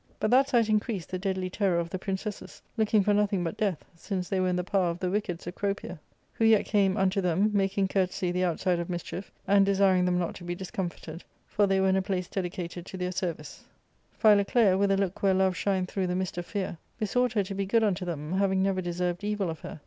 But that sight increased the deadly terror of the princesses, looking for nothing but death, since they were in the power of the wicked Cecropia,»who yet came unto * Torches — Here put for torch bearers. ARCADIA.—Book III. 251 them, making courtesy the outside of mischief, and desiring them not to be discomforted ; for they were in a place dedi cated to their service. Philoclea, with a look where love shined through the mist of fear, besought her to be good unto them, having never deserved evil of her.